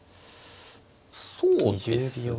そうですね。